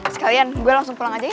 sekalian gue langsung pulang aja